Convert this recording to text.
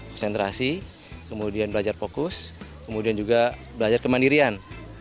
konsentrasi kemudian belajar fokus kemudian juga belajar kemandirian